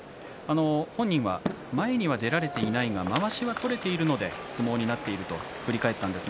本人は前には出られていないがまわしは取れているので相撲になっていると振り返っていました。